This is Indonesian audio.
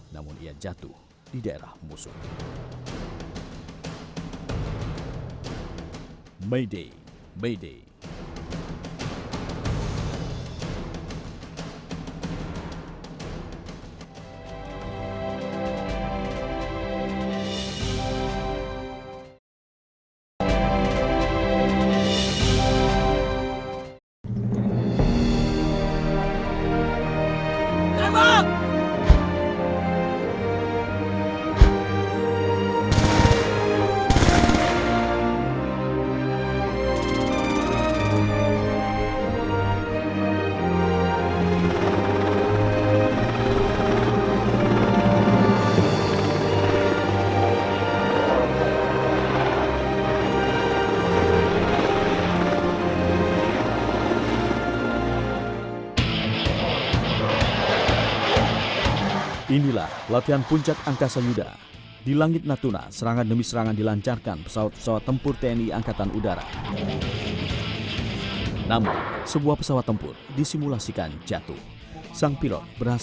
namun ia jatuh di daerah musuh